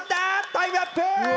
タイムアップ！